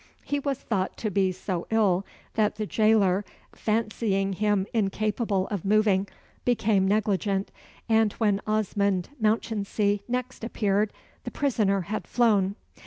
He was thought to be so ill that the jailer, fancying him incapable of moving, became negligent, and when Osmond Mounchensey next appeared, the prisoner had flown.